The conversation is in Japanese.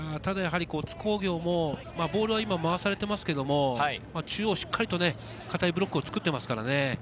ただはやはり津工業も、ボールは今、回されていますけれども、中央、しっかりと堅いブロックを作っていますからね。